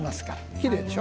きれいでしょ。